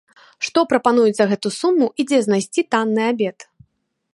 Што прапануюць за гэту суму і дзе знайсці танны абед?